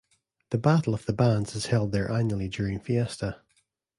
The Battle of the Bands is held there annually during Fiesta.